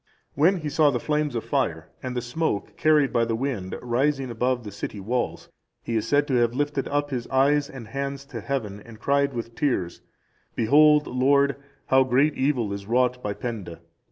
When he saw the flames of fire and the smoke carried by the wind rising above the city walls, he is said to have lifted up his eyes and hands to heaven, and cried with tears, "Behold, Lord, how great evil is wrought by Penda!"